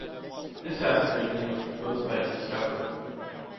This asteroid’s name was proposed by its discoverer.